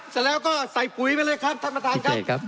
ใส่ปุ๋ยไปเลยครับท่านประธานครับ